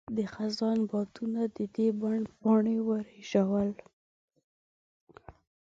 د خزان بادونو د دې بڼ پاڼې ورژول.